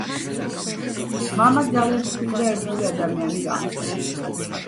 მამა ძალიან თბილი და ერთგული ადამიანი გახლდათ